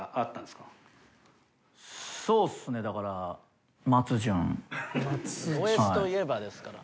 そうっすねだからドＳといえばですから。